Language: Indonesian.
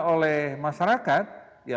oleh masyarakat ya